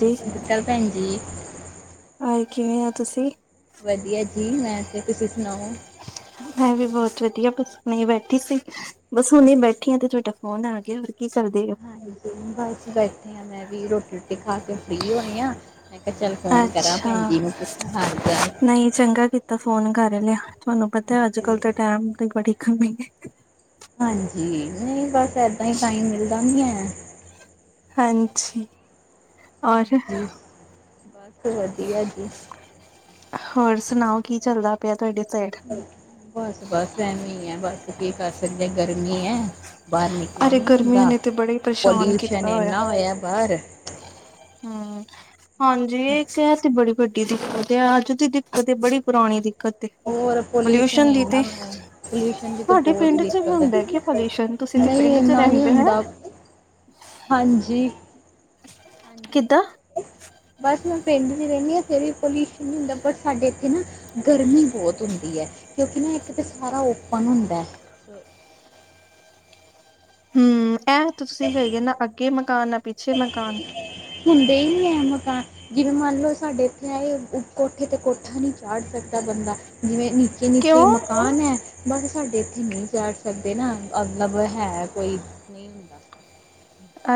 ਜੀ ਸਤਿ ਸ਼੍ਰੀ ਅਕਾਲ ਭੈਣ ਜੀ ਆਏ ਕਿਵੇਂ ਹੋ ਤੁਸੀਂ ਵਧੀਆ ਜੀ ਮੈਂ ਤੇ ਤੁਸੀਂ ਸੁਣਾਓ ਮੈਂ ਵੀ ਬਹੁਤ ਵਧੀਆ ਬਸ ਹੁਣੇ ਬੈਠੀ ਸੀ ਬਸ ਹੁਣੇ ਬੈਠੀ ਆ ਤੇ ਤੁਹਾਡਾ ਫੋਨ ਆ ਗਿਆ ਕੀ ਕਰਦੇ ਹੋ? ਹਾਂਜੀ ਬਸ ਬੈਠੇ ਹਾਂ ਮੈਂ ਵੀ ਰੋਟੀ ਰੋਟੀ ਖਾ ਕੇ ਫ੍ਰਰੀ ਹੋਏ ਹਾਂ ਅੱਛਾ ਹਾਲ ਚਾਲ ਨਹੀਂ ਚੰਗਾ ਕੀਤਾ ਫੋਨ ਕਰ ਲਿਆ ਤੁਹਾਨੂੰ ਪਤਾ ਅੱਜ ਕੱਲ ਹਾਂਜੀ ਦੇ ਟੈਮ ਦੀ ਬੜੀ ਕਮੀ ਹੈ। ਹਾਂਜੀ ਨਹੀਂ ਬਸ ਇਦਾਂ ਹੀ ਟਾਈਮ ਮਿਲਦਾ ਨਹੀਂ ਹੈ [inaudible] ਹਾਜੀ ਔਰ ਹਾਂਜੀ ਬਸ ਵਧੀਆ ਜੀ ਹੋਰ ਸੁਣਾਓ ਕੀ ਚੱਲਦਾ ਪ ਤੁਹਾਡੇ ਸਾਈਡ? ਬਸ- ਬਸ ਐਵੇਂ ਹੀ ਹੈ ।ਬਸ ਕੀ ਕਰ ਜੇ ਗਰਮੀ ਹੈ ਬਾਹਰ ਅਰੇ ਨਿਕਲਣ ਨੀ ਗਰਮੀ ਹੁੰਦਾ ਨੇ ਤੇ ਬੜਾ ਹੀ ਪਰੇਸ਼ਾਨ ਪਲਊਸ਼ਨ ਕੀਤਾ ਇੰੰਨਾ ਹੋਇਆ ਬਾਹਰ ਹਮ ਹਾਂਜੀ ਇਹ ਸਹ ਤਬੜੀ [inaudible] ਵੱਡੀ ਦਿੱਕਤ ਹੈ ਅੱਜ ਦੀ ਦਿੱਕਤ ਇਹ ਬੜੀ ਪੁਰਾਣੀ ਦਿੱ ਹੋਰ ਪੋਲਿਊਸ਼ਨ ਇਨਾ, ਪੋਲਿਊਸ਼ਨ ਦੀ ਤੁਹਾਡੇ ਬਹੁਤ ਪਿੰਡ ਚ ਵੀ ਦਿੱਕਤ ਹੈ ਹੁੰਦਾ ਕਿ ਪੋਲਿਊਸ਼ਨ ਤੁਸੀਂ ਤੇ ਨਹੀਂ ਪਿੰਡ ਚ ਨਾ ਨਹੀਂ ਰਹਿੰਦੇ ਹੋ। ਹੁੰਦਾ ਹਾਂਜੀ ਹਾਂਜੀ ਕਿੱਦਾਂ? ਬਸ ਮੈਂ ਪਿੰਡ ਰਹਿੰਦੇ ਇੱਥੇ ਵੀ ਪੋਲਊਸ਼ਨ ਨਹੀਂ ਹੁੰਦਾ ਪਰ ਸਾਡੇ ਇੱਥੇ ਨਾ ਗਰਮੀ ਬਹੁਤ ਹੁੰਦੀ ਹੈ ਕਿਉਂਕਿ ਨਾ ਇੱਕ ਤਾਂ ਸਾਰਾ ਓਪਨ ਹੁੰਦਾ। ਹਮ ਐ ਤੁਸੀਂ ਹੈਗੇ ਨਾ ਅੱਗੇ ਮਕਾਨ ਪਿੱਛੇ ਮਕਾਨ ਹੁੰਦੇ ਹੀ ਨੀ ਹੈ ਮਕਾਨ ਜਿਵੇਂ ਮੰਨ ਲਓ ਸਾਡੇ ਇੱਥੇ ਆਏ ਕੋਠੇ ਤੇ ਕੋਠਾ ਨਹੀਂੀ ਚਾੜ ਸਕਦਾ ਬੰਦਾ ਜਿਵੇਂ ਨ ਨਿੱਕੇ- ਨਿੱਕੇ ਕਿਉਂ? ਮਕਾਨ ਹੈ ਬਸ ਸਾਹਾਡੇ ਨਹੀਂ ਚੜ ਸਕਦੇ ਨਾ ਅਲਬ ਹੈ ਕੋਈ ਨਹੀਂ ਹੁੰਦਾ।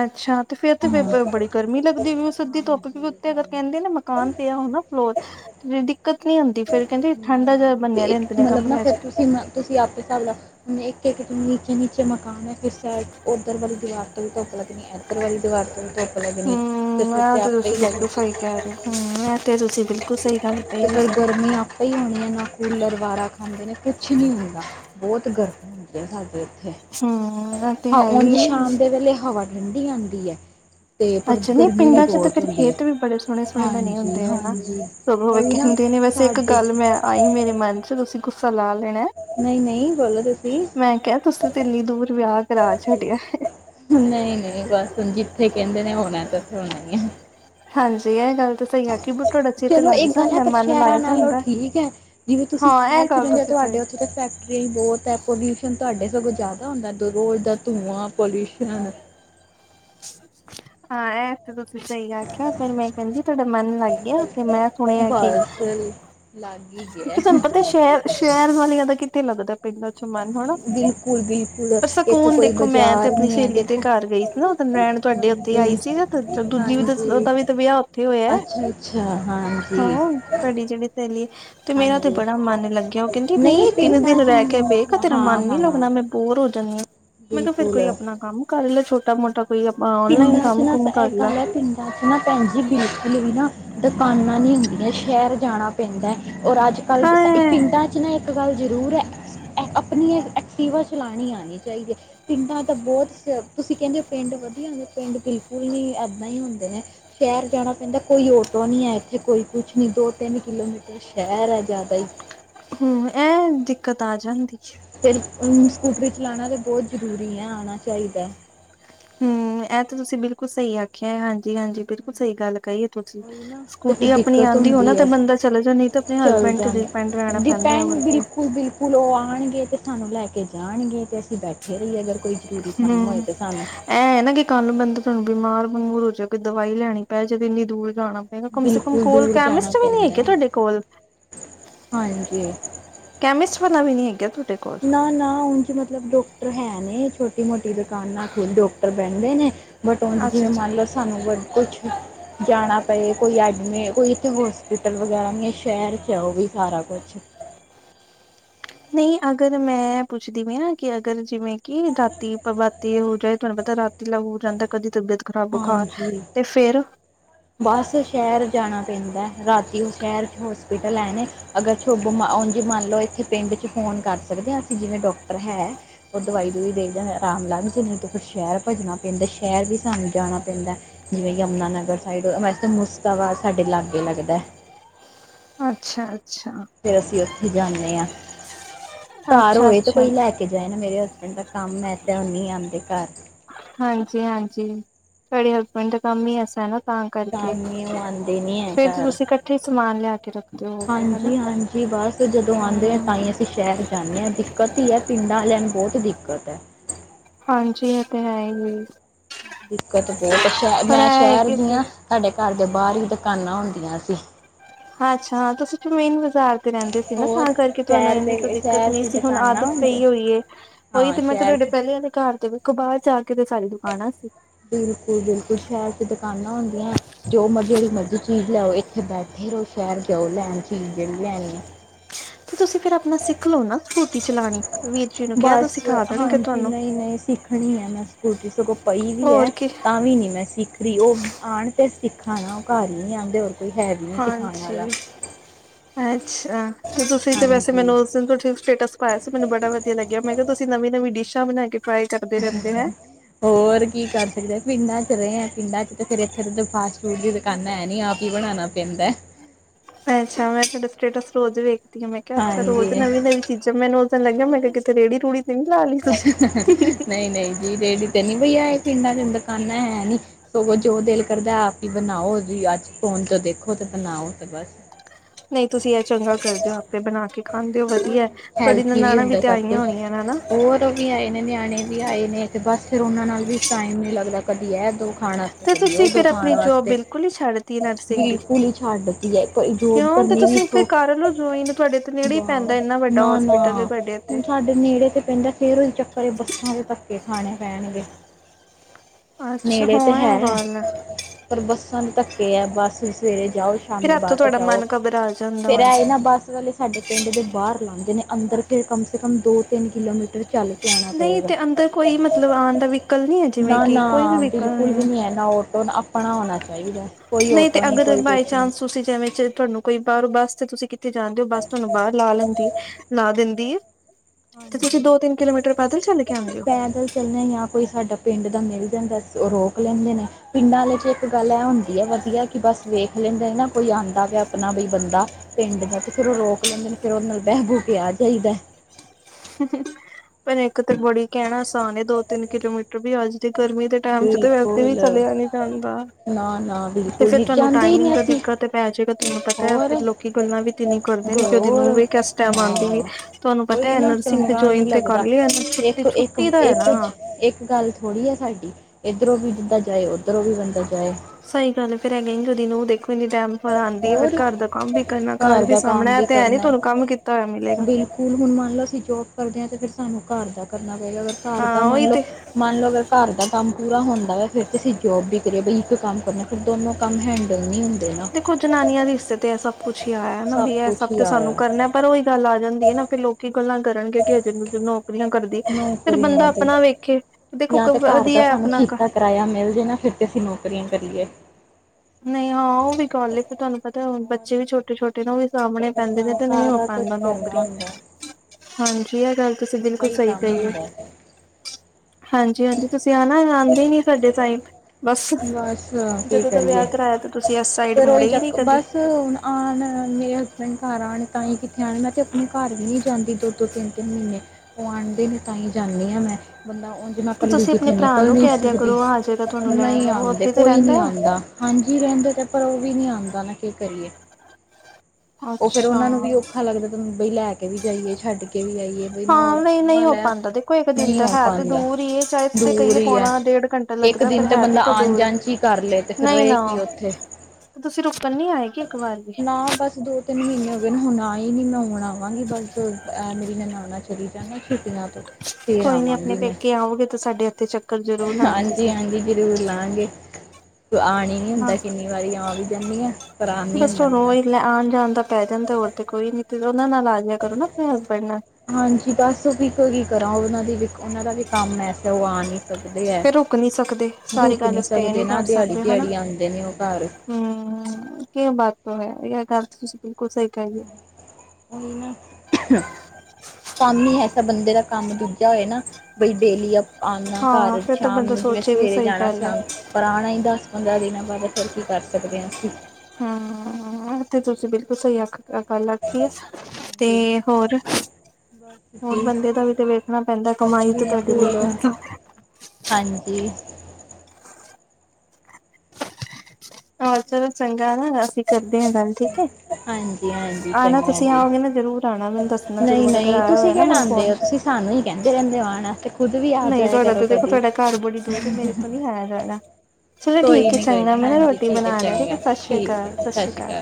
ਅੱਛਾ ਤੇ ਫੇਰ ਤੇ ਹਾਂ ਬੜੀ ਗਰਮੀ ਲੱਗਦੀ ਵੀ ਸਿੱਧੀ ਧੁੱਪ ਹਾਂਜੀ ਵੀ ਉੱਤੇ ਅਗਰ ਕਹਿੰਦੇ ਨਾ ਹਾਂਜੀ ਮਕਾਨ ਤੇ ਆ ਹੋ ਨਾ ਫਲੋਰ ਤੇ ਦਿੱਕਤ ਨੀ ਹੁੰਦੀ ਫੇਰ ਕਹਿੰਦੇ ਨਾ- ਠੰਡਾ ਨਾ ਜਿਹਾ ਬੰਨਿਆ ਇੱਕ ਰਹਿੰਦੇ ਨੇ ਮਤਲਬ ਨਾ ਕਮਰਿਆਂ ਚ ਫਿਰ ਤੁਸੀਂ -ਤੁਸੀਂ ਆਪੇ ਹਿਸਾਬ ਨਾਲ ਇੱਕ -ਇੱਕ ਉੱਚੇ ਨੀਚੇ ਮਕਾਨ ਹੈ। ਫਿਰ ਸਾਈਡ ਚ ਉੱਧਰ ਵਾਲੀ ਦੀੁਵਾਰ ਤੋਂ ਵੀ ਧੁਪ ਲੱਗਣੀ ਹੈ ।ਇੱਧਰ ਵਾਲੀ ਦੀੁਵਾਰ ਤੋਂ ਵੀ ਧੁੱਪ ਲੱਗਣੀ ਹਮ ਫਿਰ ਮੈਂ ਤੇ ਆਪੇ ਹੀ ਤੁਸੀਂ ਬਿਲਕੁਲ ਸਹੀ ਕਹਿ ਲੱਗਣੀ ਰਹੇ ਹੋ ਹਮ ਮੈਂ ਤੇ ਤੁਸੀਂ ਬਿਲਕੁਲ ਸਹੀ ਗੱਲ ਕਹੀ ਫ ਹੈ ਗਰਮੀ ਆਪੇ ਹੀ ਹੋਣੀ ਹੈ ਨਾ ਕੂਲਰ ਵਾਰਾ ਖਾਂਦੇ ਨੇ ਕੁਛ ਨਹੀਂ ਹੁੰਦਾ ਬਹੁਤ ਗਰਮੀ ਹੁੰਦੀ ਹੈ ਸਾਡੇੱ ਹੂੰ ਇਹ ਤੇ ਹਾਂ ਹੈ ਹਣ ਜ ਹੀ। ਸ਼ਾਮ ਦੇ ਵੇਲੇ ਹਵਾ ਰੰਿੰਦੀ ਆਉਂਦੀ ਹੈ ਤੇ ਪਰ ਅੱਛਾ ਨਹੀਂ ਗਰਮੀ ਵੀ ਪਿੰਡਾਂ ਚ ਤਾਂ ਬਹੁਤ ਫੇਿਰ ਹੁੰਦੀ ਹੈ ਖੇਤ ਵੀ ਬੜੇ ਸੋਹਣੇ -ਸੋਹਣੇ ਬਣੇ ਹਾਂਜੀ ਹੁੰਦੇ ਨੇ, ਨਾ ਹਾਂਜੀ ਸਗਵੇ ਉਹੀ ਨਾ ਕਹਿੰਦੇ ਵੈਸੇ ਇੱਕ ਸਾਡੇ ਗੱਲ ਮੈਂ ਆਈ ਮੇਰੇ ਮਨ ਚ ਤੁਸੀਂ ਕੁੁਸਾਲਾਲ ਨਹੀਂ ਨਹੀਂ ਬੋਲੋ ਤੁਸੀਂ ਮੈਂ ਕਿਹਾ ਤੁਸੀਂ ਤੇ ਇੰਨੀ ਦੂਰ ਵਿਆਹ ਡਰਾ ਛੱਡਿਆ ਹੈ। ਨਹੀਂ ਨਹੀਂ ਬਸ ਹੁਣ ਜਿੱਥੇ ਕਹਿੰਦੇ ਨੇ ਹੋਣਾ ਤੇ ਉੱਥੇ ਹੋਣਾ ਹੀ ਹੈ। ਹਾਂਜੀ ਇਹ ਗੱਲ ਤਾਂ ਸਹੀ ਆ ਕਿ ਤੁਹਾਡਾ ਚਿੱਤ ਚਲੋ ਲੱਗ ਇਕ ਗੱਲ ਹੈ, ਜਾਂਦਾ ਪਰ ਮਨ ਲੱਗ ਸ਼ਹਿਰਾਂ ਨਾਲੋ ਜਾਂਦਾ ਠੀਕ ਹੈ। ਜਿਵੇਂ ਤੁਸੀਂ ਹਾਂ ਇਹ ਸ਼ਹਿਰ ਚ ਗੱਲ ਰਹਿੰਦੇ ਹੋ ਤੁਸੀਂ ਸਹੀ ਤੁਹਾਡੇ ਉੱਥੇ ਤਾਂ ਫੈਕਟਰੀਆਂ ਹੀ ਬਹੁਤ ਹੈ ਪੋਲਿਊਸ਼ਨ ਤੁਹਾਡੇ ੳਥੇ ਕੁਛ ਜ਼ਿਆਦਾ ਹੁੰਦਾ ਹੈ। ਰੋਜ਼ ਦਾ ਧੂੰਆਂ ਪੋਲਿਊਸ਼ਨ। ਹਾਂ ਇਹ ਤੁਸੀਂ ਸਹੀ ਆਖਿਆ। ਪਰ ਮੈਂ ਏਹ ਕਹਿੰਦੀ ਤੁਹਾਡਾ ਮਨ ਲੱਗ ਗਿਆ। ਗਿਆ ਮੈਂ ਸੁਣਿਆ ਕਿ ਬਸ ਲੱਗ ਹੀ ਗਿਆ ਕਿਉਂਕਿ ਤੁਹਾਨੂੰ ਪਤਾ ਸ਼ਹਿਰ ਸ਼ਹਿਰ ਵਾਲਿਆਂ ਦਾ ਕਿੱਥੇ ਲੱਗਦਾ। ਪਿੰਡ ਚ ਮਨ ਹੋਣਾ। ਬਿਲਕੁਲ ਬਿਲਕੁਲ ਪਰ ਇੱਥੇ ਸਕੂਨ ਕੋਈ ਦੇਖੋ ਮੈਂ ਤੇ ਬਾਜ਼ਾਰ ਆਪਣੀ ਨਹੀਂ ਹੈ ਸਹੇਲੀ ਦੇ ਦੇਖੋ ਘਰ ਗਈ ਸੀ ਨਾ ਰਹਿਣ ਤੁਹਾਡੇ ਉੱਥੇ ਆਈ ਹਾਂਜੀ ਸੀ ਨਾ ਤੇ ਦੂਜੀ ਵੀ ਹਾਂਜੀ ਉਹਦਾ ਵੀ ਤੇ ਵਿਆਹ ਉੱਥੇ ਹੋਇਆ। ਅੱਛਾ ਅੱਛਾ ਹਾਂਜੀ ਹਾਂ ਤੁਹਾਡੀ ਜਿਹੜੀ ਸਹੇਲੀ ਤੇ ਮੇਰਾ ਤੇ ਹਾਂਜੀ ਬੜਾ ਮਨ ਲੱਗਿਆ, ਉਹ ਕਹਿੰਦੀ ਨਹੀਂ ਤਿੰਨ ਪਿੰਡਾਂ ਦਿਨ 'ਚ ਰਹਿ ਕੇ ਮ- ਵੇਖ ਤੇਰਾ ਮਨ ਹਾਂ ਨਹੀਂ ਹਾਂ ਲੱਗਣਾ ਮੈਂ ਬੋਰ ਹੋ ਜਾਂਨੀ। ਮੈਂ ਕਿਹਾ ਫੇਰ ਕੋਈ ਬਿਲਕੁਲ ਆਪਣਾ ਕੰਮ ਕਰ ਲੈ ਛੋ ਛੋਟਾ ਮੋਟਾ ਕੋਈ ਆਪਾਂ ਔਨਲਾਈਨ ਪਿੰਡਾਂ ਚ ਕੰਮ ਨਾ ਬਸ ਕੁਮ ਕਰ ਇਕ ਲੈ। ਗੱਲ ਹੈ, ਪਿੰਡਾਂ ਚ ਨਾ ਭੈਣ ਜੀ ਬਿਲਕੁਲ ਵੀ ਨਾ ਦੁਕਾਨਾਂ ਨਹੀਂ ਹੁੰਦੀਆਂ ਸ਼ਹਿਰ ਜਾਣਾ ਪੈਂਦਾ ਹੇ। ਔਰ ਅੱਜ ਕੱਲ੍ਹ ਇਹ ਹਾਂ ਪਿੰਡਾਂ ਚ ਨਾ ਇੱਕ ਗੱਲ ਜ਼ਰੂਰ ਹੈ, ਆਪਣੀ ਐਕਟੀਵਾ ਚਲਾਉਣੀ ਆਉਣੀ ਚਾਹੀਦੀ ਹੈ। ਪਿੰਡਾਂ ਤਾਂ ਬਹੁਤ ਤੁਸੀਂ ਕਹਿੰਦੇ ਹੋ ਪਿੰਡ ਪਿੰਡ ਬਿਲਕੁਲ ਨੀ ਏਦਾਂ ਹੀ ਹੁੰਦੇ ਨੇ ਸ਼ਹਿਰ ਜਾਣਾ ਪੈਂਦਾ ਕੋਈ ਔਟੋ ਨੀ ਹੈ, ਇੱਥੇ ਕੋਈ ਕੁਛ ਨੀ ਦੋ ਤਿੰਨ ਕਿਲੋਮੀਟਰ ਸ਼ਹਿਰ ਹੈ ਜ਼ਿਆਦਾ ਹੀ। ਹੂੰ ਐ ਦਿੱਕਤ ਆ ਜਾਂਦੀ ਹੇ। ਫਿਰੁ ਸਕੂਟਰੀ ਚਲਾਉਣਾ ਤਾਂ ਬਹੁਤ ਜ਼ਰੂਰੀ ਹੈ ਆਉਣਾ ਚਾਹੀਦਾ ਹੈ। ਹਮ ਇਹ ਤਾਂ ਤੁਸੀਂ ਬਿਲਕੁਲ ਸਹੀ ਆਖਿਆ ਹਾਂਜੀ ਹਾਂਜੀ ਬਿਲਕੁਲ ਸਹੀ ਗੱਲ ਕਹੀ। ਤੁਸੀਂ। ਊਹੀ ਨਾ ਤੇ ਫਿਰ ਸਕੂਟੀ ਆਪਣੀ ਦਿੱਕਤ ਆਉਂਦੀ ਹੋ ਹੁੰਦੀ ਨਾ ਤੇ ਏ ਬੰਦਾ ਚਲਾ ਜਾ ਨਹੀਂ ਤਾਂ ਆਪਣੇ ਚੱਲ ਹਸਬੈਂਡ ਤੇ ਜਾਨ ਡਿਪੈਂਡ ਰਹਿਣਾ ਪੈਂਦਾ ਡਿਪੈਂਡ ਹੋਰ ਕੀ। ਬਿਲਕੁਲ ਬਿਲਕੁਲ ਉਹ ਆਉਣਗੇ ਤੇ ਸਾਨੂੰ ਲੈ ਕੇ ਜਾਣਗੇ ਤੇ ਅਸੀਂ ਬੈਠੇ ਰਹੀਏ ਅਗਰ ਕੋਈ ਜ਼ਰੂਰੀ ਕੰਮ ਹੋਏ ਹਮ ਤੇ ਸਾਨੂੰ। ਮੂਰ ਹੋ ਜਾ ਕੇ ਦਵਾਈ ਲੈਣੀ ਪੈ ਜਾਵੇ ਤੇ ਇੰਨੀ ਦੂਰ ਜਾਣਾ ਪਏਗਾ ਕਮ ਸੇ ਕਮ ਬਿਲਕੁਲ ਕੋਲ ਦੂਰ ਜਾਣਾ ਕੈਮਿਸਟ ਵੀ ਨੀ ਹੈ ਪੈਂਦਾ ਕੇ ਤੁਹਾਡੇ ਕੋਲ, ਹਾਂਜੀ ਕੈਮਿਸਟ ਵਾਲਾ ਵੀ ਨਹੀਂ ਹੈ ਕਿਤ [unintelligible] ਨਾ ਨਾ ੳਂਜ ਮਤ ਮਤਲਬ ਡਾਕਟਰ ਹੈ ਨੇ ਛੋਟੀ ਮੋ ਮੋਟੀ ਦੁਕਾਨਾਂ ਖੁਦ ਡਾਕਟਰ ਬਹਿੰਦੇ ਨੇ, ਬਟ ਉਹ ਅੱਛਾ ਜਿਵੇਂ ਅੱਛਾ ਮੰਨ ਲੋਓ ਸਾਨੂੰ ਬ ਕੁਛ ਜਾਣਾ ਪਏ ਕੋਈ ਐਡਮੀਟ ਕੋਈ ਇਥੇ ਹੋਸਪਿਟਲ ਵਗੈਰਾ ਨਹੀ ਹੈ, ਸ਼ਹਿਰ 'ਚ ਉਹ ਵੀ ਸਾਰਾ ਕੁਛ। ਨਹੀਂ ਅਗਰ ਮੈਂ ਪੁੱਛਦੀ ਵੀ ਨਾ ਕਿ ਅਗਰ ਜਿਵੇਂ ਕੀ ਰਾਤੀ ਪਬਾਤੀ ਹੋ ਜਾਏ ਤੁਹਾਨੂੰ ਪਤਾ ਰਾਤੀ ਜਲਾਬ ਹੋ ਜਾਂਦਾ। ਕਦੀ ਤਬੀਅਤ ਖ਼ਰਾਬ ਬੁਖਾਰ ਹਾਂਜੀ ਤੇ ਫੇਰ ਬਸ ਸ਼ਹਿਰ ਜਾਣਾ ਪੈਂਦਾ। ਰਾਤੀ ਉਹ ਸ਼ਹਿਰ ਚ ਹੋਸਪਿਟਲ ਹੈ ਨੇ। ਅਗਰ ਉਝ ਮੰਨ ਲਓ ਇੱਥੇ ਪਿੰਡ 'ਚ ਫੋਨ ਕਰ ਸਕਦੇ ਹਾਂ ਅਸੀਂ ਜਿਵੇਂ ਡੋਕਟਰ ਹੈ ।ਉਹ ਦਵਾਈ ਦੁਵਾਈ ਦੇ ਜਾਂਦੇ ।ਆਰਾਮ ਲੱਗ ਜੇ ਤੋਂ ਫਿਰ ਸ਼ਹਿਰ ਭੱਜਣਾ ਪੈਂਦਾ। ਸ਼ਹਿਰ ਵੀ ਸਾਨੂੰ ਜਾਣਾ ਪੈਂਦਾ ਜਿਵੇਂ ਕਿ ਯਮੁਨਾ ਨਗਰ। ਸਾਈਡ ਵੈਸੇ ਮੁਸਤਾਬਾਦ ਸਾਡੇ ਲਾਗੇ ਲੱਗਦਾ। ਅੱਛਾ ਅੱਛਾ। ਫਿਰ ਅਸੀਂ ਉੱਥੇ ਜਾਂ ਨੇ ਹਾਂ। ਘਰ ਅੱਛਾ ਹੋਏ ਤੇ ਅੱਛਾ ਕੋਈ ਲੈ ਕੇ ਜਾਏ ਨਾ ਮੇਰੇ ਹਸਬੈਂਡ [unintelligible] ਤਾਂ ਉਹ ਨਹੀਂ ਆਉਂਦੇ ਘਰ ਹਾਂਜੀ ਹਾਂਜੀ। ਤੁਹਾਡੇ ਹਸਬੈਂਡ ਦਾ ਕੰਮ ਹੀ ਐਸਾ ਨਾ। ਤਾਂ ਕਰਕੇ ਸ਼ਾਮੀ ਉਹ ਆਉਂਦੇ ਨੀ ਹੈ ਫੇਰ ਘਰ ਤੁਸੀਂ ਇਕੱਠੇ ਸਮਾਨ ਲਿਆ ਕੇ ਰੱਖਦੇ ਹੋਗੇ ਹਨਾ ਹਾਂਜੀ ਹਾਂਜੀ ਬਸ ਜਦੋਂ ਆਉਂਦੇ ਆ ਹਮ ਤਾਂ ਹੀ ਅਸੀਂ ਸ਼ਹਿਰ ਜਾਂਦੇ ਹਾਂ। ਦਿੱਕਤ ਹੀ ਹੈ ਪਿੰਡਾਂ ਵਾਲਿਆਂ ਨੂੰ ਬਹੁਤ ਦਿੱਕਤ ਹੈ। ਹਾਂਜੀ ਇਹ ਤੇ ਹੈ ਹੀ। ਦਿੱਕਤ ਬਹੁਤ ਸ਼ਹਿਰ ਪਰ ਮੈਂ ਇਹ ਹੈ ਸ਼ਹਿਰ ਕਿ ਦੀ ਹਾਂ ਸਾਡੇ ਘਰ ਦੇ ਬਾਹਰ ਹੀ ਦੁਕਾਨਾਂ ਹੁੰਦੀ। [unintelligible] ਅੱਛਾਾਂ ਤੁਸੀਂ ਤੇ ਮੇਨ ਬਾਜ਼ਾਰ ਰਹਿੰਦੇ ਸੀ ਨਾ ਤਾਂ ਹੋਰ ਕਰਕੇ ਤੁਹਾਨੂੰ ਸ਼ਹਿਰ ਇੰਨੀ ਕੋਈ ਦੇ ਦਿੱਕਤ ਸ਼ਹਿਰ ਨਹੀਂ ਦੀ ਸੀ ਹੁਣ ਦੁਕਾਨਾਂ ਆਦਤ ਹੁੰਦੇ ਪਈ ਹੋਈ ਉਈ ਹਾਂ ਤੇ ਮੈਂ ਕਿਹਾ ਸ਼ਹਿਰ ਤੁਹਾਡੇ ਪਹਿਲ ਵਾਲ ਦੇ ਘਰ ਦੇ ਕੋ ਬਾਹਰ ਜਾ ਕੇ। ਤੇ ਸਾਰੀ ਦੁਕਾਨਾਂ ਸੀ ਬਿਲਕੁਲ ਬਿਲਕੁਲ ਸ਼ਹਿਰ ਚ ਦੁਕਾਨਾਂ ਹੁੰਦੀਆਂ ਜੋ ਮਰ ਜਿੜੀ ਮਰਜ਼ੀ ਚੀਜ਼ ਲੈ ਆਓ। ਇੱਥੇ ਬੈਠੇ ਰਹੋ ਸ਼ਹਿਰ ਜਾਓ ਲੈਣ ਚੀਜ਼ ਜਹੜੀ ਲੈਣੀ ਹੈ। ਤੇ ਤੁਸੀਂ ਫਿਰ ਆਪਣਾ ਸਿੱਖ ਲਾਉਣਾ ਸਕੂਟੀ ਚਲਾਣੀ। ਤੇ ਵੀਰ ਜੀ ਨੂੰ ਕਹਿ ਦੋ ਬਸ ਸਿਖਾ ਦੇਣਗੇ ਹਾਂਜੀ ਤੁਹਾਨੂੰ ਨਹੀਂ ਨਹੀਂ ਸਿੱਖਣੀ ਹੈ ਮੈਂ ਸਕੂਟੀ ਸਗੋਂ ਪਈ ਵੀ ਹੈ ਹੋਰ ਕੀ ਤਾਂ ਵੀ ਨੀ ਮੈਂ ਸਿੱਖ ਰਹੀ ਉਹ ਆਉਣ ਤੇ ਸਿੱਖਾ ਨਾ ਉਹ ਘਰ ਹੀ ਨੀ ਆ ਕੋਈ ਹੈ ਵੀ ਨਹੀਂ ਸਿਖਾਣੇ ਵਾਲਾ। ਹਾਂਜੀ [inaudible] ਅੱਛਾ ਤੇ ਤੁਸੀਂ ਤੇ ਵੈਸੇ ਹਾਂਜੀ ਮੈਨੂੰ ਉਸ ਦਿਨ ਤੁ ਸਟੇਟਸ ਪਾਇਆ ਸੀ ਮੈਨੂੰ ਬੜਾ ਵਧੀਆ ਲੱਗਿਆ ਮੈਂ ਕਿਹਾ ਤੁਸੀਂ ਨਵੀਂ ਨਵੀ ਡਿਸ਼ [unintelligible] ਹੋਰ ਕੀ ਕਰ ਸਕਦੇ ਪਿੰਡਾਂ ਚ ਰਹੇ ਆ ਪਿੰਡਾਂ ਚ ਤੇ ਫਿਰ ਇੱਥੇ ਦਾ ਫਾਸ ਫੂਡ ਦੀ ਦੁਕਾਨਾਂ ਹੈ ਨੀ। ਆਪ ਹੀ ਬਣਾਉਣਾ ਪੈਂਦਾ। ਅੱਛਾ ਮੈਂ ਤੁਹਾਡਾ ਸਟੇਟਸ ਰੋਜ਼ ਵੇਖਦੀ ਮੈਂ ਕਿਹਾ ਅੱਛਾ ਹਾਂਜੀ ਰੋਜ਼ ਨਵੀ ਨਵੀ ਚੀਜਾਂ ਮੈਨੂੰ ਓਸ ਦਿਨ ਲਗਿਆ ਮੈਂ ਕਿਹਾ ਕਿਤੇੇ ਰੇੜੀ ਰੂੜੀ ਤੇ ਨੀ ਲਾ ਲਈ ਤੁਸੀਂ ਨਹੀਂ ਨਹੀਂ ਜੀ ਰੇੜੀ ਤੇ ਨੀ ਬਈ ਆਏ ਪਿੰਡਾਂ ਚ ਦੁਕਾਨਾ ਹੈ ਨੀ ਸਗੋਂ ਜੋ ਦਿਲ ਕਰਦਾ ਆਪ ਕਿ ਬਣਾਓ ਜੀ ਅੱਜ ਫੋਨ ਤੋਂ ਦੇਖੋ ਤੇ ਬਣਾਓ ਤੇ ਬਸ। ਨਹੀਂ ਤੁਸੀਂ ਇਹ ਚੰਗਾ ਕਰਦੇਓ ਆਪੇ ਬਣਾ ਕੇ ਖਾਂਦੇ ਹੋ ਹੋਰ ਵਧੀਆ ਤੁਹਾਡੀ ਹੈਲਥੀ ਵੀ ਨਨਾਣਾ ਹੁੰਦਾ ਤੇ ਸਭ ਆਈਆਂ ਕੁਛ। ਹੋਣੀਆਂ ਨੇ ਹਨਾ ਹੋਰ ਵੀ ਆਏ ਨੇ ਨਿਆਣੇ ਵੀ ਆਏ ਨੇ ਤੇ ਬਸ ਫਿਰ ਉਹਨਾਂ ਨਾਲ ਵੀ ਟਾਈਮ ਨੀ ਲੱਗਦਾ। ਵਧੀਆ ਤੇ ਤੁਸੀਂ ਫਿਰ ਆਪਣੀ ਜੋਬ ਬਿਲਕੁਲ ਈ ਛੱਡਤੀ ਨਰਸਿੰਗ ਦੀ। ਬਿਲਕੁਲ ਹੀ ਛੱਡ ਦਿੱਤੀ ਹੈ ਕੋਈ ਜੋਬ ਕਿਉਂ ਤੇ ਕਰਨੀ ਵੀ ਤੁਸੀਂ ਫਿਰ ਸੋ ਕਰ ਲਓ ਜੋਈਨ ਤੁਹਾਡੇ ਤੇ ਨੇੜੇ ਈ ਪੈਂਦ- ਵਾਹ ਨਾ ਨਾ ਹੁਣ ਸਾਡੇ ਨੇੜੇ ਤੇ ਪੈਂਦਾ ਫੇਰ ਉਹ ਚੱਕਰ ਬੱਸਾਂ ਦੇ ਧੱਕੇ ਖਾਣ- ਖਾਣੇ ਪੈਣਗੇ। ਅੱਛਾ ਨੇੜੇ ਹੋ ਤੇ ਇਹ ਹੈ ਗੱਲ ।ਪਰ ਬੱਸਾਂ ਦੇ ਧੱਕੇ ਹੈ। ਬੱਸ ਸਵੇਰੇ ਜਾਓ। ਫਿਰ ਸ਼ਾਮੀ ਹੱਥੋਂ ਬੱਸ ਤੁਹਾਡਾ 'ਚ ਆਓ ਮਨ ਘਬਰਾ ਜਾਂਦਾ ।ਫਿਰ ਹੋਣਾ ਐ ਏਨਾ ਬੱਸ ਵਾਲੇ ਸਾਡੇ- ਪਿੰਡ ਦੇ ਬਾਹਰ ਲਾਂਦੇ ਨੇ। ਅੰਦਰ ਕੇ ਕਮ ਸੇ ਕਮ ਦੋ ਤਿੰਨ ਕਿਲੋਮੀਟਰ ਚੱਲ ਕੇ- ਆਉਣਾ ਨਹੀਂ ਪਏਗਾ ਤੇ ਅੰਦਰ ਕੋਈ ਮਤਲਵ ਆਣ ਦਾ ਵਿਕਲ ਨਈ ਹੈ, ਜਿਵੇਂ ਕਿ ਕੋਈ ਵੀ ਵਿਕਲ ਨਹੀਂ- ਹੁਣ ਆਪਣਾ ਹੋਣਾ ਚਾਹੀਦੈ। ਨਹੀਂ ਤੇ ਅਗਰ ਬਾਈ ਚਾਂਸ ਤੁਸੀਂ ਜਿਵੇਂ' ਚ ਤੁਹਾਨੂੰ- ਕੋਈ ਬਾਹਰੋਂ ਬਸ 'ਚ ਤੁਸੀਂ- ਥੇ ਜਾਂਦੇ ਓ, ਬਸ ਤੁਹਾਨੂੰ ਬਾਹਰ ਲਾ ਲੈਂਦੀ ਲਾ ਦਿੰਦੀ ਏ ਹਾਂਜੀ ਪੈਦਲ ਚੱਲ ਕੇ ਆਉਂਦੇ ਹੋ ਪੈਦਲ ਚੱਲਨੇ ਜਾਂ ਕੋਈ ਸਾਡਾ ਪਿੰਡ ਦਾ ਮਿਲ- ਜਾਂਦਾ ਉਹ ਰੋਕ ਲੈਂਦੇ ਨੇ ।ਪਿੰਡਾਂ ਆਲੇ'ਚ ਇੱਕ ਗੱਲ ਏ ਹੁੰਦੀ ਐ ਵਧੀਆ ਕਿ ਬਸ ਵੇਖ ਲੈਂਦੇ ਨੇ ਕੋਈ ਆਂਦਾ ਪਿਆ ਆਪਣਾ ਵੀ ਬੰਦਾ ਪਿੰਡ ਦਾ ਤੇ ਫੇਰ ਉਹ ਰੋਕ ਲੈਂਦੇ ਨੇ ਫੇਰ ਉਹਦੇ ਨਾਲ ਬਹਿ ਬੂ ਕੇ ਆ ਜਾਈਦੈ। ਹੂ ਹੂਹੂ ਪਰ ਇੱਕ ਤੇ ਬੜੀ ਕੈਣਾ ਅਸਾਨ ਏ ਦੋ ਤਿੰਨ- ਕਿਲੋਮੀਟਰ ਵੀ ਅੱਜ ਦੇ- ਗਰਮੀ ਦੇ ਟੈਮ' ਚ ਤੇ ਵੈਸੇ ਬਿਲਕੁਲ ਵੀ ਚਲਿਆ ਨੀ ਜਾਂਦਾ, ਨਾ ਨਾ ਤੇ ਬਿਲਕੁਲ ਫੇਰ ਨਹੀਂ ਤਾਨੂੰ ਜਾਂਦੇ ਹੀ ਟਾਈਮਿੰਗ ਨਹੀਂ ਦਾ ਅਸੀਂ ਦਿੱਕਤ ਤੇ ਪੈ ਜੇਗਾ। ਤਾਨੂੰ ਪਤਾ ਹੋਰ ਫੇਰ ਲੋਕੀ ਗੱਲਾਂ ਵੀ ਤੇ ਏਨੀ ਕਰਦੇ ਨੇ ਕਿ ਉਦੀ ਨੂੰਹ ਹੋਰ ਵੀ ਕੈਸ ਟੈਮ ਆਂਦੀ ਏ। ਤੁਹਾਨੂੰ ਪਤਾ ਐ ਨਰ- ਪਤਾ ਨੀ ਲੱਗਦਾ। ਇੱਕ- ਇੱਕ- ਦਾ ਹੈ ਨਾ ਇੱਕ- ਇੱਕ ਗੱਲ ਥੋੜੀ ਐ ਸਾਡੀ। ਇੱਧਰੋਂ ਵੀ ਬੰਦਾ ਜਾਏ ਉੱਧਰੋਂ ਵੀ ਬੰਦਾ ਜਾਏ। ਸਹੀ ਗੱਲ ਏ ਫਿਰ ਹੈਗਾ ਉਹਦੀ ਨੂੰਹ ਦੇਖੋ ਏਨੇ ਟੈਮ- ਪਰ ਆਂਦੀ ਫਿਰ ਹੋਰ ਘਰ ਦਾ ਕੰਮ ਵੀ ਕਰਨਾ, ਘਰ ਵੀ ਦਾ ਕੰਮ ਸਾਮਣਾ ਏ ਤੇ ਹੈ ਨੀ ਕਰਨਾ ਤੁਨੂੰ ਕੰਮ ਕੀਤਾ ਹੋਇਆ ਮਿਲੇਗਾ। ਬਿਲਕੁਲ ਹੁਣ ਮੰਨ ਲਓ ਅਸੀਂ ਜੋਬ ਕਰਦੇ ਹਾਂ ਤੇ ਫਿਰ ਸਾਨੂੰ ਘਰ ਦਾ- ਕਰਨਾ ਪਏਗਾ। ਅਗਰ ਘਰ ਹਾਂ ਦਾ ਉਹੀ ਮੰਨ ਲਓ ਤੇ -ਮੰਨ ਲਓ ਅਗਰ ਘਰ ਦਾ ਕੰਮ ਪੂਰਾ ਹੁੰਦਾ ਵੇ ਫੇਰ ਤੇ ਅਸੀਂ ਜੋਬ ਵੀ- ਰੇ ਬਈ ਇੱਕ ਕੰਮ ਕਰਨਾ ਫਿਰ ਦੋਨੋ ਕੰਮ ਹੈਂਡਲ ਨਹੀਂ ਹੁੰਦਾ। ਦੇਖੋ ਜਨਾਨੀਆਂ- ਰਿਸ਼ਤੇ ਤੇ ਸ- ਕੁੱਛ ਹੀ ਆਇਆ ਵੀ ਐ ਕੁਝ ਸਭ ਹੀ ਤੇ ਸਾਨੂੰ ਆਇਆ ਕਰਨੈ ਪਰ ਉਹੀ ਗੱਲ ਆ ਜਾਂਦੀ ਏ ਨਾ ਫੇਰ ਲੋਕੀ ਗੱਲਾਂ- ਕਰਨਗੇ ਕਿ ਏ ਜਿਨੋ ਜਿਨੂੰ- ਨੌਕਰੀਆਂ ਤੇ, ਦੇਖੋ ਜਾਂ ਤੇ ਘਰ ਦਾ ਵਧੀਆ ਸਾਨੂੰ ਆਪਣਾ ਕੀਤਾ ਕਰਾਇਆ ਮਿਲ ਜਾਏ ਨਾ, ਫਿਰ ਤੇ ਅਸੀਂ ਨੌਕਰੀਆਂ ਕਰੀਏ। ਨਹੀਂ ਹਾਂ ਉਹ ਵੀ ਕਰਣ ਲਈ ਤੁਹਾਨੂੰ ਪਤਾ ਹੁਣ ਹੋਰ ਬੱਚੇ ਵੀ ਛੋਟੇ ਛੋਟੇ ਨਾ ਵੀ ਸਾਹਮਣੇ ਬਸ ਪੈਂਦੇ ਨੇ ਹਾਂ ਤੇ ਨਹੀਂ ਹੋ ਸਾਰਾ ਕੁਛ ਪਾਉਦਾ ਕਰਨਾ ਨੌਕਰੀ। ਹੁੰਦਾ ਹੈ। ਹਾਂਜੀ ਇਹ ਗੱਲ ਤੁਂ ਸਾਰਾ ਬਿਲਕੁਲ ਹੀ ਸਹੀ ਕੰਮ ਕਹੀ ਏ। ਹੁੰਦਾ ਹੈ। ਹਾਂਜੀ-ਹਾਂਜੀ ਤੁਸੀਂ ਆਉਣਾ, ਆਉਂਦੇ ਨੀ ਸਾਡੇ ਟਾਈਮ ਬਸ ਬਸ ਕੀ ਜਦੋਂ ਦਾ ਕਰੀਏ। ਵਿਆਹ ਕਰਾਇਆ ਤੇ ਤੁਸੀਂ ਇਸ ਸਾਈਡ ਫਿਰ ਉਹੀ ਮੁੜੇ ਹੀ ਨਹੀਂ ਚੱਕ, ਕਦੀ ਬਸ ਹੁਣ ਆਉਣ, ਮੇਰੇ ਹਸਬੈਂਡ ਘਰ ਆਉਣ। ਤਾਂਹੀ ਕੀਤੀ ਨਿਆਣੇ, ਮੈਂ ਤੇ ਆਪਣੇ ਘਰ ਵੀ ਨੀ ਜਾਂਦੀ ਦੋ-ਦੋ ਦਿਨ। ਮਹੀਨੇ, ਉਹ ਆਉਂਦੇ ਨੇ ਤਾਂ ਹੀ ਜਾਂਦੀ ਹਾਂ ਮੈਂ, ਵਰਨਾ ਉਂਜ ਤੇ ਕੱਲੀ ਤੁਸੀਂ ਆਪਣੇ ਕਿਥੇ ਭਰਾ ਨਿਕਲ ਨੂੰ ਨੀ ਕਹਿ ਦਿਆ ਸਕਦੀ, ਕਰੋ ਆ ਜਾਏਗਾ ਤੁਹਾਨੂੰ ਲੈਣ ਨਹੀਂ ਉਹ ਆਉਂਦੇ ਉੱਥੇ ਤੇ ਕੋਈ ਰਹਿੰਦਾ ਨੀ ਆਉਂਦਾ, ਹਾਂਜੀ ਰਹਿੰਦੇ ਤੇ ਪਰ ਉਹ ਵੀ ਨੀ ਆਉਂਦਾ।। ਹੁੰਦਾ ਨਾ ਕੀ ਕਰੀਏ। ਹੈ ਉਹ ਫਿਰ ਅੱਛਾ ਉਹਨਾ ਨੂੰ ਵੀ ਔਖਾ ਲੱਗਦਾ ਤੇ, ਬਈ ਲੈ ਕੇ ਕੇ ਵੀ ਜਾਈਏ, ਛੱਡ ਕੇ ਵੀ ਆਈਏ ਬਈ ਹਾਂ, ਨਹੀਂ-ਨਹੀਂ ਹੋ ਨੋਰਮਲ ਹੈ ਪਾਉਂਦਾ। ਦੇਖੋ ਇੱਕ ਦਿਨ ਨਹੀਂ ਦਾ ਹੋ ਹੈ ਤੇ ਪਾਉਂਦਾ ਦੂਰ ਹੀ ਹੈ, ਚਾਹੇ ਤੁੇ ਦੂਰ ਕਹੀਏ ਹੀ ਹੈ ਪਾਉਣਾ ਡੇਢ ਘੰਟਾ ਇੱਕ ਲੱਗਦਾ ਪਰ ਦਿਨ ਤੇ ਹੈ ਬੰਦਾ ਦੇਖੋ ਆਣ ਦੂਰ ਜਾਣ ਚ ਹੀ ਕਰ ਲਏ ਤੇ ਫਿਰ ।ਨਹੀਂ ਰਹੇ ਨਾ, ਕੀ ਉੱਥੇ। ਤੇ ਤੁਸੀਂ ਰੁਕਣ ਨੀ ਆਏ ਕਿ ਇੱਕ ਵਾਰ ਵੀ? ਨਾ ਬਸ ਦੋ ਮਹੀਨੇ ਹੋ ਗਏ ਨੇ, ਹੁਣ ਆਈ ਹੀ ਮੈਂ ਹੁਣ ਹਾਂ। ਆਵਾਂਗੀ ਬਸ, ਇਹ ਮੇਰੀਆਂ ਨਨਾਣਾਂ ਚਲੀ ਜਾਣ ਨਾ ਛੁੱਟੀਆਂ ਤੋਂ। ਫੇਰ ਕੋਈ ਨੀ ਆਪਣੇ ਆਵਾਂਗੀ ਮੈਂ। ਪੇਕੇ ਆਓਗੇ ਤਾਂ ਸਾਡੇ ਇੱਥੇ ਚੱਕਰ ਜ਼ਰੂਰ ਲਾਣਾ ਹਾਂਜੀ ਤੁਸੀਂ ਹਾਂਜੀ ਜ਼ਰੂਰ ਲਾਵਾਗੇ। ਆਉਣ ਨੀ ਹਾਂ ਹੁੰਦਾ ਕਿੰਨੀ ਵਾਰੀ ਆ ਵੀ ਜਾਂਦੀ ਹਾਂ ਬਸ [unintelligible] ਲੈ ਆਉਣ ਜਾਣ ਦਾ ਪੈ ਜਾਂਦਾ, ਹੋਰ ਤੇ ਕੋਈ ਨੀ ਓਹਨਾ ਨਾਲ ਆ ਜਿਹਾ ਕਰੋ ਨਾ, ਅਪਣੇ ਹਸਬੈਂਡ ਨਾਲ। ਹਾਂਜੀ ਬਸ ਉਹ ਵੀ ਕੀ ਕਰਾਂ ਉਹਨਾਂ ਦੀ ਵੀ, ਉਹਨਾਂ ਦਾ ਵੀ ਕੰਮ ਐਸਾ, ਉਹ ਆ ਨਹੀਂ ਫਿਰ ਰੁਕ ਨੀ ਸਕਦੇ, ਸਾਰੀ ਗੱਲ ਨੀ ਸਟੇਅ ਸਕਦੇ ਨਹੀ ਨਾ ਕਰ ਸਕਦੇ ਹਨਾ, ਦਿਹਾੜੀ-ਦਿਹਾੜੀ ਆਂਦੇ ਨੇ ਉਹ ਘਰ। ਹਮ ਯੇਹ ਬਾਤ ਤੋਂ ਹੈ। ਇਹ ਗੱਲ, ਤੁਸੀਂ ਬਿਲਕੁਲ ਸਹੀ ਕਹੀ ਏ। ਉਹੀ ਨਾ, ਕੰਮ ਹੀ ਐਸਾ ਬੰਦੇ ਦਾ, ਕੰਮ ਦੂਜਾ ਹੋਏ ਨਾ ਬਈ ਡੇਲੀ ਅੱਪ ਆਨਾ ਹਾਂ ਘਰ ਫਿਰ ਤਾਂ ਸ਼ਾਮ ਬੰਦਾ ਨੂੰ, ਜਿਵੇਂ ਸੋਚੇ ਵੀ ਸਵੇਰੇ ਸਹੀ ਜਾਣਾ, ਗੱਲ ਐ। ਸ਼ਾਮ ਨੂੰ, ਪਰ ਆਉਣਾ ਹੀ ਦੱਸ ਪੰਦਰਾਂ ਦਿਨਾਂ ਬਾਅਦ, ਫਿਰ ਕੀ ਕਰ ਸਕਦੇ ਹਾਂ ਅਸੀਂ ਹੰਮ, ਤੇੇ ਤੁਸੀਂ ਬਿਲਕੁਲ ਸਹੀ ਆਖ ਗੱਲ ਆਖੀਏ ਤੇ ਹਾਂਜੀ ਹੋਰ, ਬਸ ਹੋਰ ਜੀ ਬੰਦੇ ਦਾ ਵੀ ਤੇ ਵੇਖਣਾ ਪੈਂਦਾ, ਕਮਾਈ ਤੇ ਤੁਹਾਡੇ ਲਈ ਬਿਲਕੁਲ ਕਰਦਾ ਹੁੰਦਾ। ਹਾਂਜੀ ਔਰ ਚਲੋ ਸਹੀ, ਨਾ ਅਸੀਂ ਕਰਦੇ ਹਾਂ ਗੱਲ ਠੀਕ ਹੈ ਹਾਂਜੀ ਹਾਂਜੀ ਆਣਾ ਚੰਗਾ ਤੁਸੀਂ ਜੀ ਆਓਗੇ ਨਾ ਜ਼ਰੂਰ ਆਉ ਮੈਨੂੰ ਦੱਸਣਾ ਨਹੀਂ ਜ਼ਰੂਰ ਅਗਰ ਨਹੀਂ ਆਇਆ ਤੁਸੀਂ ਹੋਇਆ ਨਾ ਕਿਹੜਾ ਮੈਨੂੰ ਆਉਂਦੇ ਫੋਨ ਹੋ ਤੁਸੀਂ ਸਾਨੂੰ ਹੀ ਕਹਿੰਦੇ ਰਹਿੰਦੇ ਹੋ ਆਉਣ ਵਾਸਤੇ ਖੁਦ ਵੀ ਆ ਨਹੀਂ ਜਾਇਆ ਤੁਹਾਡਾ ਕਰੋ ਤਾਂ ਦੇਖੋ ਕਦੀ ਤੁਹਾਡਾ ਘਰ ਬੜੀ ਦੂਰ ਮੇਰੇ ਤੋਂ ਨੀ ਆਇਆ ਜਾਣਾ। ਚਲੋ ਕੋਈ ਠੀਕ ਨਹੀਂ ਕੋਈ ਚੰਗਾ ਨਹੀਂ ਮੈਂ ਨਾ ਹਾਂਜੀ ਰੋਟੀ ਹੈ ਬਣਾ ਲਾ ਠੀਕ ਆ ਚੰਗਾ ਸਤਿ ਸ਼੍ਰੀ ਠੀਕ ਹੈ ਅਕਾਲ, ਸਤਿ ਸ਼੍ਰੀ ਅਕਾਲ।